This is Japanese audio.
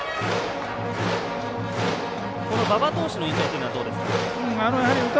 馬場投手の印象はどうですか？